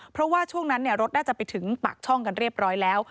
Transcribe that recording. เพราะว่าช่วงนั้นรถน่าจะไปถึงปากช่องกันเรียบร้อยแล้ว